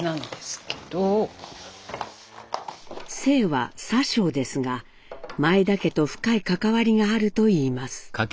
姓は佐生ですが前田家と深い関わりがあるといいます。